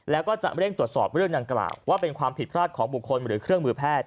แล้วก็จะเร่งตรวจสอบเรื่องดังกล่าวว่าเป็นความผิดพลาดของบุคคลหรือเครื่องมือแพทย์